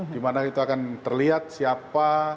di mana itu akan terlihat siapa